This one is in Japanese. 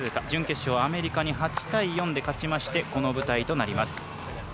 準決勝、アメリカに８対４で勝ちましてこの舞台となります。